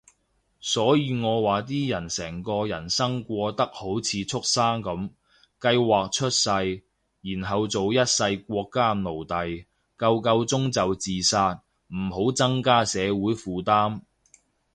所以我話啲人成個人生過得好似畜牲噉，計劃出世，然後做一世國家奴隸，夠夠鐘就自殺，唔好增加社會負擔